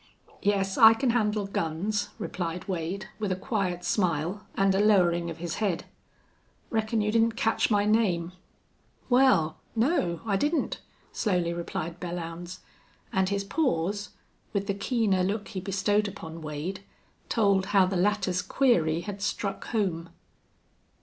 "Yes, I can handle guns," replied Wade, with a quiet smile and a lowering of his head. "Reckon you didn't catch my name." "Wal no, I didn't," slowly replied Belllounds, and his pause, with the keener look he bestowed upon Wade, told how the latter's query had struck home.